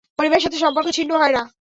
পরিবারের সাথে সম্পর্ক ছিন্ন হয় না।